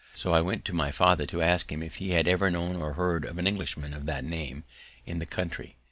So I went to my father to ask him if he had ever known or heard of an Englishman of that name in the country.